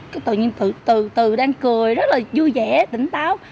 cái tự nhiên từ từ đang cười rất là vui vẻ tỉnh táo